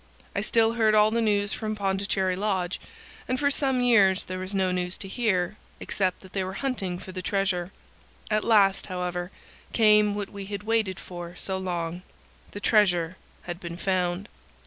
I still heard all the news from Pondicherry Lodge, and for some years there was no news to hear, except that they were hunting for the treasure. At last, however, came what we had waited for so long. The treasure had been found.